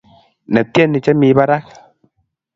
Ne tieni che mi barak.